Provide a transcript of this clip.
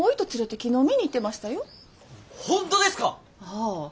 ああ。